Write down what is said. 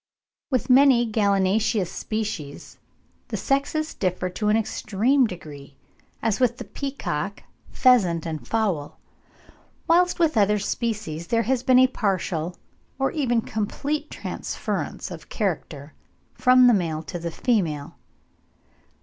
With many gallinaceous species the sexes differ to an extreme degree, as with the peacock, pheasant, and fowl, whilst with other species there has been a partial or even complete transference of character from the male to the female.